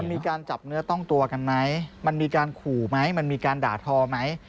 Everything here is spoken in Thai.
มันมีการจับเนื้อต้องตัวกันไหมมันมีการขู่ไหมมันมีการด่าทอไหม